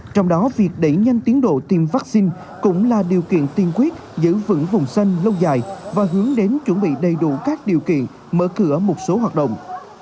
trong đó việc đẩy nhanh tiến độ tiêm vaccine cũng là điều kiện tiên quyết giữ vững vùng xanh lâu dài và hướng đến chuẩn bị đầy đủ các điều kiện mở cửa một số hoạt động